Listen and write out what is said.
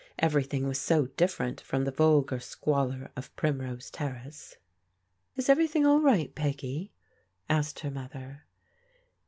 Everything was so different from the vulgaij squalor of Primrose Terrace, " Is everything all right, Peggy? " asked her mother.